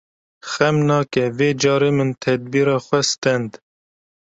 Xem nake vê carê min tedbîra xwe stend.